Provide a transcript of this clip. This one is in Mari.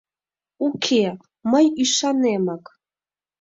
Уке, мый ӱшанемак!